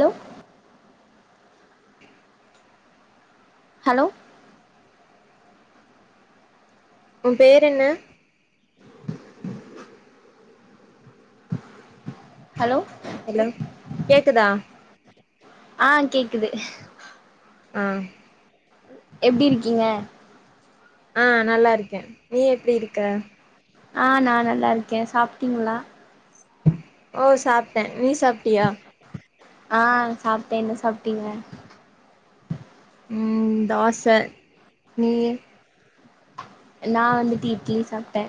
Low hello உ பேர் என்ன ஹலோ ஹலோ கேக்குதா ஆ கேக்குது ஆஹ் எப்டி இருக்கீங்க ஆ நல்லா இருக்க நீ எப்டி இருக்க ஆ நா நல்லா இருக்க சாப்ட்டீங்களா ஓ சாப்ட்ட நீ சாப்டியா ஆ‌ சாப்ட்டே என்ன சாப்ட்டீங்க ம் தோச நீ நா வந்துட்டு இட்லி சாப்ட்ட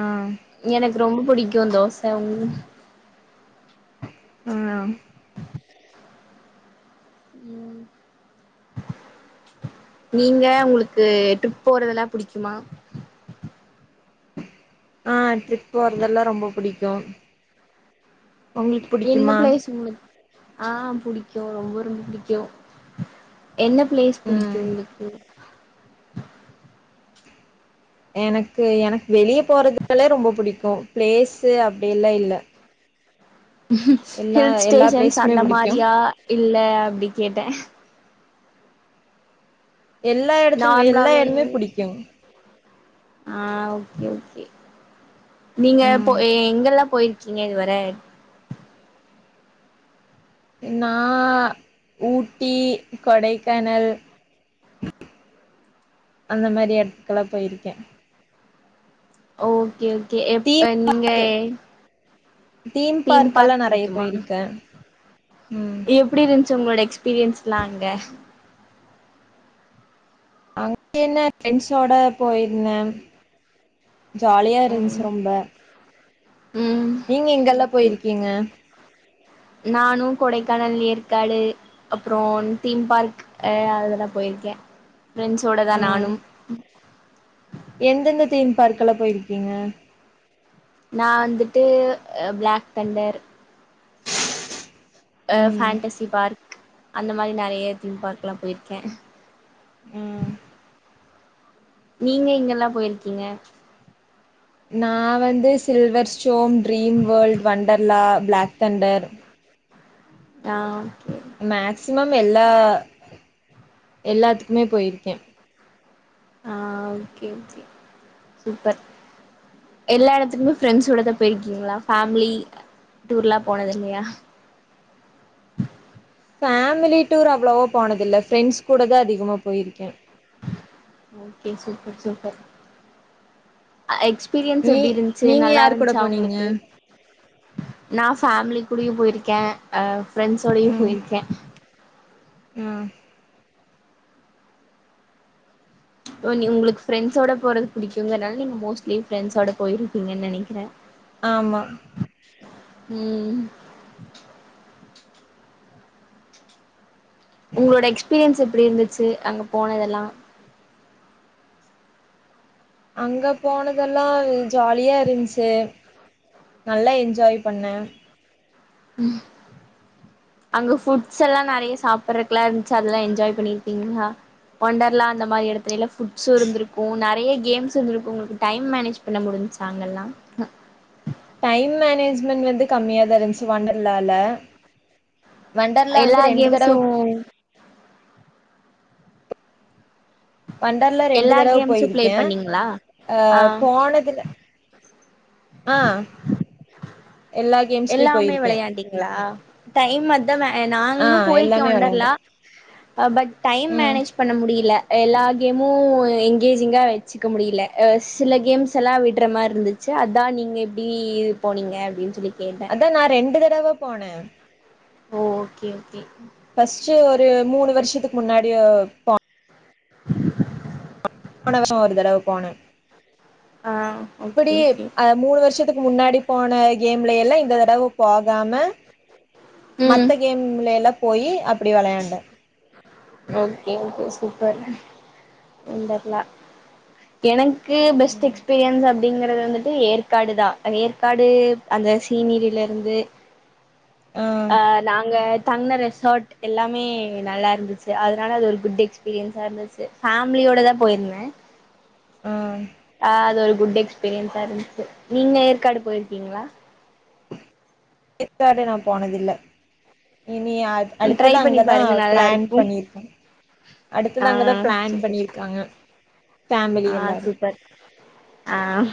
ஆ எனக் ரொம்ப பிடிக்கு தோச உங் மா ம் நீங்க உங்ளுக்கு ட்ரிப் போறதுலா புடிக்குமா ஆ ட்ரிப் போறதெல்லா ரொம்ப பிடிக்கு என்ன பிளேஸ் உங்ளு ஆ புடிக் கு ரொம்ப ரொம்ப பிடிக்கு என்ன பிளேஸ் பிடிக்கு ம் உங்களுக்கு எனக்கு எனக்கு வெளிய போறதுனால ரொம்ப புடிக்கு பிளேசு அப்டியெல்லா இல்ல எல்லா ஹில் எல்லா ஸ்டேஷன்ஸ் பிளேஸுமே அந்த புடிக்கு மாரியா இல்ல அப்டி கேட்ட எல்லா எடத்துமே எல்லா நார்மலாவே இடமே புடிக்கு ஆ ஓகே ஓகே நீங்க ம் போ எ எங்கெல்லா போய்ருக் இங்க இதுவர நா ஊட்டி கொடைக்கானல் அந்த மாரி எடத்துக்கெல்லா போய்ருக்க ஓகே கே தீம் எப்ப நீங்க பார்க்கு தீம் பார்க்கெலா நறைய போயிருக்க எப்படி இருந்துச்சு உங்களோட எக்ஸ்பீரியன்ஸ் லா அங்க அங்க என்ன பிரண்ட்ஸ்ஸோட போயிருந்த ஜாலியா ம் இருந்துச்சு ரொம்ப ம் நீங்க எங்கெல்லா போயிருக்கீங்க நானும் கொடைக்கானல் ஏற்காடு அப்புறம் தீம் பார்க் அதெல்லாம் போயிருக்கேன் பிரரெண்ட்ஸோட ஆ தான் நானும் [inaudible] எந்தெந்த தீன் பார்க்க எல போயிருக்கீங்க நா வந்துட்டு ப்ளாக் தண்டர் அ ம் ஃபேன்டசி பார்க் அந்த மாரி நெறயா தீம் பார்க்ல்லாம் போயிருக்கே உம் நீங்க இங்கெல்லா போயிருக்கீங்க நா வந்து silver storm dream world Wonderla black thunder ஆம் மேக்சிமம் எல்லா எல்லாத்துக்குமே போயிருக்கேன் ஆ சூப்பர் எல்லா இடத்துக்குமே ஆஹ் ஓகே ஓகே சூப்பர் எல்லா இடத்துக்குமே பிரண்ட்ஸ்சோடதா போயிருக்கீங்களா மினி டூர்லாம் போனது இல்லையா ஃபேமிலி டூர் அவ்வளவோ போனதில்லை ஃப்ரெண்ட்ஸ் கூட தான் அதிகமா போயிருக்கேன் ஓகே ஓகே சூப்பர் சூப்பர் எக்ஸ் எக்ஸ்பீரியன்ஸ் நீ எப்படி இருந்துச்சு நீங்க நல்லா யாரு கூட இருந்துச்சா போனீங்க உங்களுக்கு நான் ஃபேமிலி கூடயோ போயிருக்க அ பிரண்ட்ஸ்ஸோடயும் ம் போயிருக்கேன் ஆ இ நீ உங்களுக்கு ஃப்ரெண்ட்ஸோட போறது பிடிக்குங்கனால நீங்க மோஸ்ட்லி பிரரெண்ட்ஸோட போயிருக்கீங்கன்னு நினைக்கிறேன் ஆமா ம் உங்களோட எக்ஸ்பீரியன்ஸ் எப்படி இருந்துச்சு அங்க போனதெல்லாம் அங்க போனதெல்லாம் ஜாலியா இருந்ச்சு நல்லா என்ஜாய் பண்ண ம் அங்க ஃபுட்ஸ் எல்லாம் நிறைய சாப்பிடுறதுக்கு எல்லாம் இருந்துச்சு அதெல்லாம் என்ஜாய் பண்ணிருக்கீங்களா ஒண்டர்லாம் அந்த மாதிரி எடத்துல ஃபுட்ஷுஇருந்திருக்கும் நிறைய கேம்ஸ் இருந்திருக்கும் உங்களுக்கு டைம் மேனேஜ் பண்ண முடிஞ்சச்சா அங்கல்லாம் டைம் மேனேஜ்மெண்ட் வந்து கம்மியாதா இருந்துச்சு வண்டர்லால வண்டர்லா எல்லா வந்து ரெண்டு தடவ கேம்ஸு வண்டர்லா ரெண்டு எல்லா தடவ கேம்ஸு ப்ளே போயிருக்கே பண்ணீங்களா ஆ அஹ் போனதுல ஆ எல்லா கேம்ஸ்லயு எல்லாமே போயிருக்கே வெளையாண்டிங்ளா டைம் த ஆ நாங்ளு போயிருக்கேன் எல்லாமே வெளையாண்டே வொண்டர்லா பட் டைம் ம் மேனேஜ் பண்ண முடில எல்லா கேமும் என்ங்கேஜிங்கா வச்சுக்க முடில சில கேம்ஸ் எல்லாம் விட்ற மாரி இருந்துச்சு அதான் நீங்க எப்டி இது போனீங்க அப்டின்னு சொல்லி கேட்டே அதான் நான் ரெண்டு தட தடவ போனே ஓஹ் ஓக்கே ஓக்கே ஃபர்ஸ்ட்டு ஒரு மூணு வருஷத்துக்கு முன்னாடியோ ப [inaudible] போன வருஷோ ஒரு தடவ போனே ஆ ஓகே அப்டி ஓகே அஹ் மூணு வருஷம் துக்கு முன்னாடி போன கேம்ல எல்லாம் இந்த தடவ போகாம ம் மத்த கேம்ல எல்லாம் போய் அப்டி விளையாண்டே ஓக்கே ஓக்கே சூப்பர் தெர்ல எனக் கு பெஸ்ட் ம். எஸ்பீரியன்ஸ் அப் அப்படிங்கிறது வந்துட்டு ஏற்காடுதான் ஏற்காடு அந்த சீனிரில இருந்து ஆ அஹ் நாங்க தங்ன ரெசார்ட் எல்லாமே நல்லா இருந்துச்சு அதனால அது ஒரு குட் எக்ஸ்பீரியன்ஸா இருந்துச்சு ஃபேமிலியோடதா போயிருந்தேன் ஆ ஆ அது ஒரு குட் எக்ஸ்பீரியன்ஸா இருந்துச்சு நீங்க ஏற்காடு போயிருக்கீங்ளா ஏற்காடு நா போனதில்ல இனி அ ட்ரை அடுத்ததா பண்ணி அங்கதா பாருங்க நல்லா பிளான் இருக்கு பண்ணிருக்கேன் ஆ அடுத்தது அங்கதான் பிளான் சூப்பர் பண்ணிருக்காங்க ஃபேமிலி ஆ எல்லாரு சூப்பர் ஆ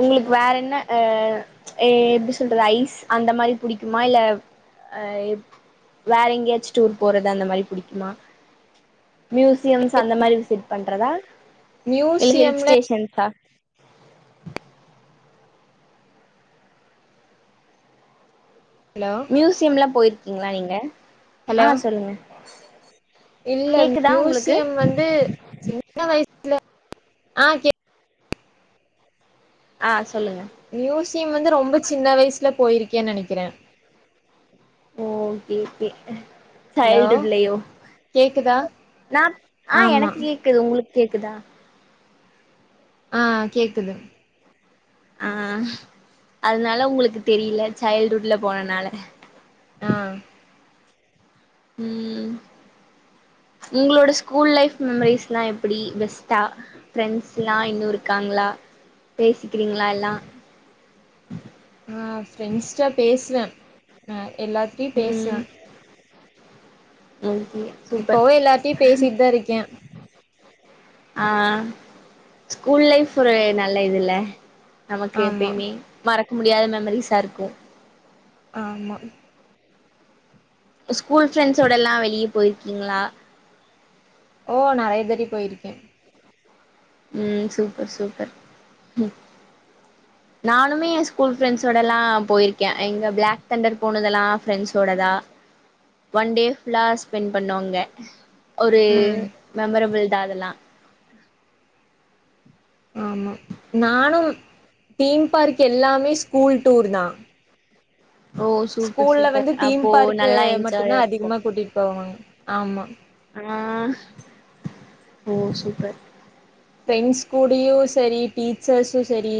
உங்களுக்கு வேற என்ன அ எப்டி சொல்றது ஐஸ் அந்த மாரி புடிக்குமா இல்ல அ வேற எங்கேயாச்சு டூர் போறது அந்த மாரி புடிக்குமா மியூசியம்ஸ் அந்த மாரி விசிட் பண்றதா இல்ல மியூசியம்ல ஹில்ஸ்டேஷன்ஸ்ஸா ஹலோ மியூசியம்ல்லா போயி ருக்கீங்ளா நீங்க ஆ ஹலோ சொல்லுங்க இல்ல கேக்குதா உங்களுக்கு மியூசியம் வந்து சின்ன வய சில ஆ கே ஆ சொல்லுங்க ஸியம் வந்து ரொம்ப சின்ன வயசுல போயிருக்கேன்னு நெனைக்கிறே ஓ ஓகே ஓகே ஹலோ சைல்டுவுட்லேயோ கேக்குதா நா ஆஹ் ஆமா எனக்கு கேக்குது உங்ளுக் கேக்குதா ஆ கேக்குது ஆ அதனால உங்களுக்கு தெரியில சைல்டுவுட்ல போனனால ஆ ம் உங்களோட ஸ்கூல் லைஃப் மெமரிஸ்லா எப்டி பெஸ் தா ஃப்ரெண்ஸ் எல்லா இன்னு இருக்காங்களா பேசிக்கிறீங்களா எல்லா ஆ ஃப்ரெண்ட்ஸ்ட பேசுவே [inaudible] எல்லார்டையு ம் பேசுவே ஓகே சூப்பர் இப்பவு எல்லார்டையு பேசிட்டுதா இருக்கே ஆ ஸ்கூல் லைஃப் ஒரு நல்ல இதுல்ல நமக்கு ஆமா எப்பயுமே மறக் முடியாத மெமரிஸா இருக்கும் ஆமா ஸ்கூல் ஃப்ரெண்ட்ஸோடலா வெளிய போயிருக்கீங்களா ஓ நெறைய தட்டி போயிருக்கே ம் சூப்பர் சூப்பர் நானுமே ஸ்கூல் ஃப்ரெண்ட்ஸோடலா போயிருக்கே இங்க பிளாக்தெண்டர் போனதெலா ஃப்ரெண்ட்ஸ் ஓட தா ஒன் டே ஃபுல்லா ஸ்பெண்ட் பண்ணோ அங்க ஒரு ம் மெமரபுள் [unintelligible] அதெல்லா ஆமா நானு தீம் பார்க் எல்லாமே ஸ்கூல் டூரு தா ஓ சூப்பர் ஸ்கூல்ல சூப்பர் வந்து தீம் அப்போ பார்க்கு நல்லா என்ஜாயா மட்டு்தா இருக்கு அதிகமா கூட்டிட்டு போவாங்க ஆமா ஆஹ் ஓ சூப்பர் ஃப்ரெண்ட்ஸ் கூடயு செரி டீச்சர்ஸு செரி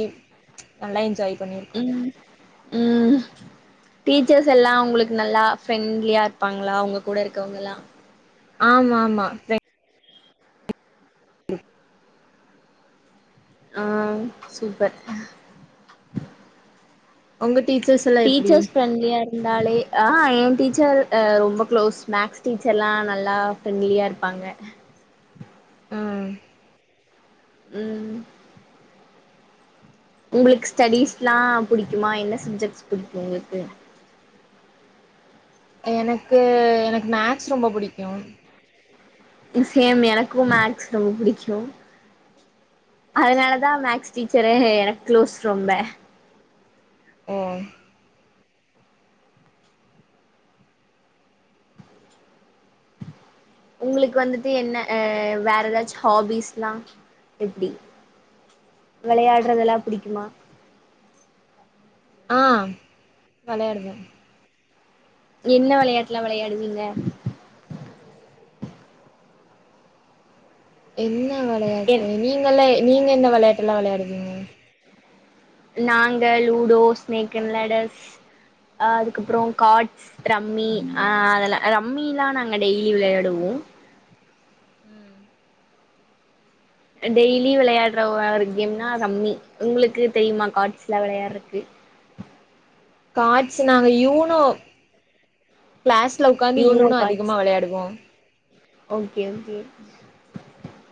நல்லா என்ஜாய் பண்ணிருக்கோ ம் ம் டீச்சர்ஸ் எல்லாப் உங்களுக்கு நல்லா ஃப்ரெண்ட்லியா இருப்பாங்களா உங்க கூட இருக்கவங்க எல்லாம் ஆமா ஆமா ஃப்ரெண் ஆ சூப்பர் உங்கட் டீச்சர்ஸ் ஃப்ரெண்ட்லியா இருப் இருந்தாலே ஆ ஏ டீச்சர் எ ரொம்ப குளோஸ் மேக்ஸ் டீச்சர்லா நல்லா ஃப்ரெண்லியாருப்பாங்க ஆ ம் உங்ளுக்கு ஸ்டடிஸ்ல்லா புடிக்குமா என்ன சப்ஜெக்ட்ஸ் புடிக்கு உங்ளுக்கு எனக்கு எனக்கு மேக்ஸ் ரொம்ப புடிக்கு சேம் எனக்கூ மேக்ஸ் ரொம்ப பிடிக்கு அதனாலதா மேக்ஸ் டீச்சரே எனக்கு க்ளோஸ் ரொம்ப ஓ உங்ளுக்கு வந்துட்டு என்ன அ வேற எதாச்சு ஹாபீஸ்ல்லா எப்டி வெளையாட்றதெல்லா புடிக்குமா ஆ வெளையாடுவோ என்ன வெளையாட்லா வெளையாடுவீங்க என்ன [unintelligible] என் வெளயாட்டு நீங்கல்லா எ நீங்க என்ன வெளாட்டு எல்லா வெளாடுவீங்க நாங்க லூடோ, ஸ்னேக் அண்ட் லெடர்ஸ் அ அதுக்கப்பறோ கார்ட்ஸ் ரம்மி அ அதெல்லா ரம்மி எல்லா நாங்க டெய்லி விளையாடுவோம் டெய்லி விளையாடுற ஒரு கேம்னா ரம்மி உங்களுக்கு தெரியுமா கார்ட்ஸ்ல்லா விளையாடுறக்கு கார்ட்ஸ் நாங்க யூனோ கிளாஸ்ல உடக்காந்து யூனோ அதிகமா வெளையாடுவோ ஓக்கே ஓகே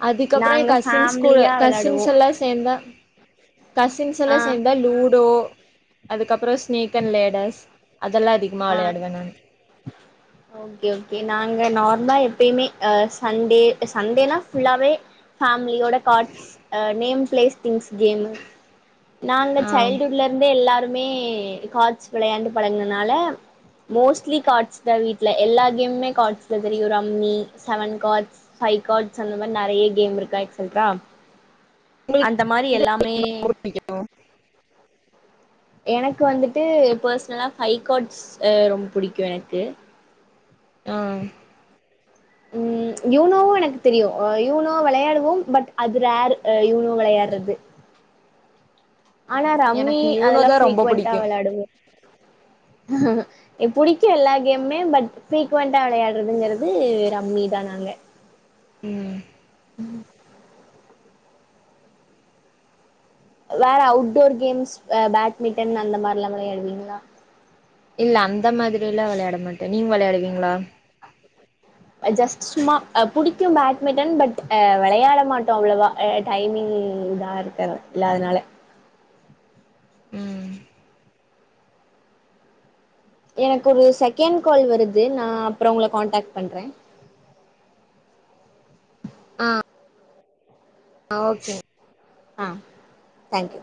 அதுக்கப்புறொ எ நாங்க கசின்ஸ் கூட ஃபேமிலியா கசின்ஸ் வெளையாடுவோ எல்லா சேந்தா கசின்ஸ் எல்லா ஆ சேர்ந்தா லூடோ அதுக்கப்பறோ ஸ் ஸ்நேக் அன் லேடெர்ஸ் ஆ ஓக்கே ஓகே நா நாங்க நார்ம்லா எப்பயுமே அ சண்டே சண்டேனா ஃபுல்லாவே ஃபேமிலியோட cards name place things game நாங்க ஆ சைல்டுட்லருந்தே எல்லாரு மே காட்ஸ் விளையாண்டு பழகுனனால மோஸ்ட்லி கார்ட்ஸ் தா வீட்டுல எல்லா கேம்மே கார்ட்ஸ்ல தெரியும் rummy seven cards five cards அந்த மாரி நெறய கேம் இருக்கா எக்சட்றா உங்களுக்கு அந்த மாரி எல்லாமே புடிக்கு எனக்கு வந்துட்டு பர்சனலா ஃபை கார்ட்ஸ் ரொம்ப பிடிக்கும் எனக்கு ஆ ம் யூனோவு எனக்கு தெரியு யூனோ வெளையாடுவோ பட் அது ரேர் யூனோ வெளையாடுறது ஆனா ரம்மி எனக்கு யூனோ அதெல்லா தா ரொம்ப ஃபிரிக்குவண்ட்டா புடிக்கு வெளையாடுவோ எ புடிக்கு எல்லா கேமுமே பட் ஃப்ரீகுவண்டா விளையாடுறதுங்கிறது ரம்மிதா நாங்க உம் உம் வேற அவுட்டோர் கேம்ஸ் அஹ் பேட்மிட்டன் அந்த மார்லா வெளையாடுவீங்களா இல்ல அந்த மாதிரிலா வெளையாட மாட்டோ நீங்க வெளையாடுவீங்ளா ஐ ஜெஸ்ட் சும்மா அஹ் புடிக் த்து பேட்மிட்டன் பட் அஹ் வெளையாட மாட்டே அவ்ளவா அஹ் டைமிங் இதா இருக்குல்ல அதனால உம் எனக்கு ஒரு செகண்ட் கால் வருது நா அப்ற உங்கள கான்டக்ட் பண்றே ஆஹ் ஓகே ஆஹ் தேங்க்யூ